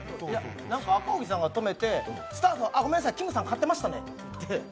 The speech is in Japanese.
赤荻さんが止めて、スタッフさんがきむさん勝ってましたねって。